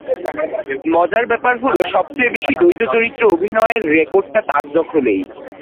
মজার ব্যাপার হলো, সবচেয়ে বেশি দ্বৈত চরিত্রে অভিনয়ের রেকর্ডটা তাঁরই দখলে।